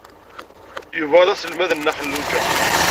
Yuba d aselmad n Nna Xelluǧa.